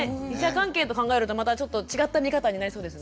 関係と考えるとまたちょっと違った見方になりそうですね。